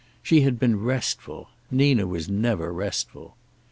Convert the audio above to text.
She had been restful. Nina was never restful.